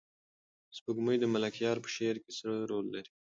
سپوږمۍ د ملکیار په شعر کې څه رول لري؟